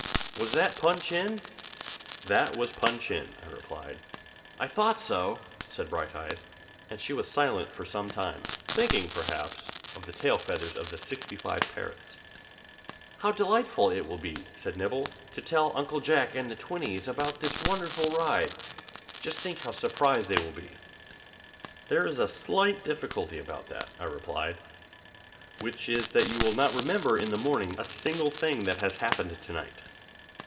"Was that Pun Chin?" "That was Pun Chin!" I replied. "I thought so!" said Brighteyes. And she was silent for some time, thinking, perhaps, of the tail feathers of the sixty five parrots. "How delightful it will be," said Nibble; "to tell Uncle Jack and the twinnies about this wonderful ride. Just think how surprised they will be!" "There is a slight difficulty about that," I replied, "which is that you will not remember in the morning a single thing that has happened to night."